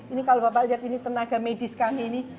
ini kalau bapak lihat ini tenaga medis kami ini